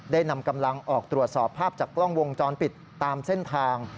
ได้นำกำลังออกตรวจสอบภาพจากกล้องวงจรปิดตามเส้นทาง